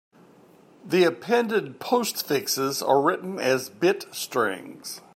The appended postfixes are written as bit strings.